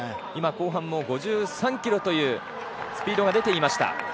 今、後半も５３キロというスピードが出ていました。